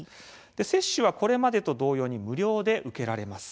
接種はこれまでと同様に無料で受けられます。